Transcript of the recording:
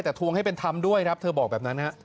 แต่ทวงให้เป็นธรรมด้วยครับเธอบอกแบบนั้นฮะ